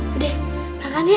budi makan ya